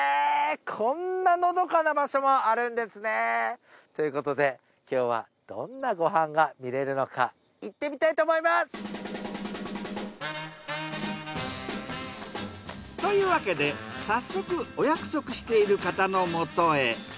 こんなのどかな場所もあるんですね。ということで今日はどんなご飯が見られるのかいってみたいと思います！というわけで早速お約束している方のもとへ。